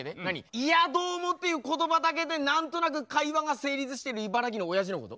「いやどうも」っていう言葉だけで何となく会話が成立してる茨城のおやじのこと？